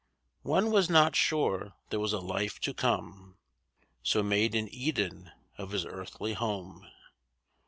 One was not sure there was a life to come, So made an Eden of his earthly home.